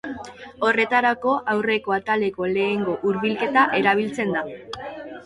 Horretarako, aurreko ataleko lehenengo hurbilketa erabiltzen da.